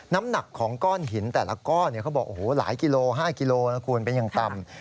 น้ำหนักของก้อนหินแต่ละก้อนเขาบอกหลายกิโลห้ากิโลเป็นอย่างต่ำ